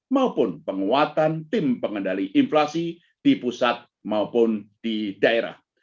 maupun penguatan tim pengendali inflasi di pusat maupun di daerah